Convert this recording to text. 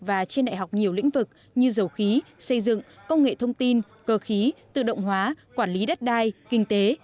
và trên đại học nhiều lĩnh vực như dầu khí xây dựng công nghệ thông tin cơ khí tự động hóa quản lý đất đai kinh tế